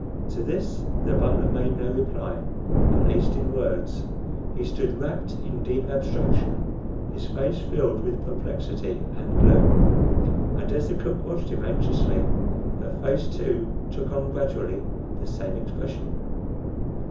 To this the butler made no reply, at least in words. He stood wrapt in deep abstraction, his face filled with perplexity and gloom, and as the cook watched him anxiously her face too took on gradually the same expression.